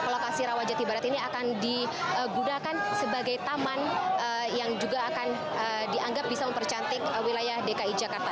lokasi rawajati barat ini akan digunakan sebagai taman yang juga akan dianggap bisa mempercantik wilayah dki jakarta